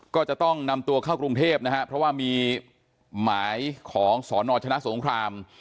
ก็จะต้องนำตัวเข้ากรุงเทพนะฮะเพราะว่ามีหมายของสนชนะสงคราม